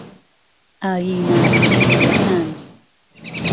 ئایینە دینییەکان